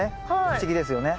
不思議ですよね。